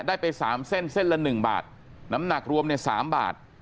ได้ไปสามเส้นเส้นละหนึ่งบาทน้ำหนักรวมเนี่ยสามบาท